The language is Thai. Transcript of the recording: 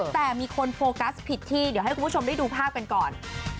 แต่มีคนโฟกัสผิดที่เดี๋ยวให้คุณผู้ชมได้ดูภาพกันก่อน